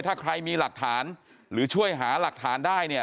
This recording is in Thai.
ถ้าใครมีหลักฐานหรือช่วยหาหลักฐานได้เนี่ย